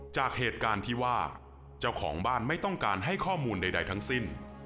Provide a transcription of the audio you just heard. จากเหตุการณ์ที่ว่าเจ้าของบ้านไม่ต้องการให้ข้อมูลใดทั้งสิ้น